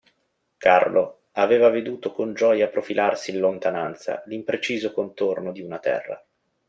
Carlo aveva veduto con gioia profilarsi in lontananza l'impreciso contorno di una terra.